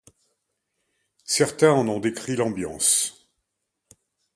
Certains en ont décrit l'ambiance.